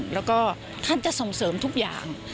แล้วก็ท่านจะส่งเสริมทุกอย่าง